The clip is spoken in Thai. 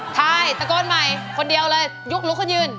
ใช่ตะโกนใหม่คนเดียวเลยยกลุกขึ้นยืน